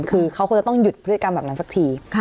คือเขาคงจะต้องหยุดพฤติกรรมแบบนั้นสักที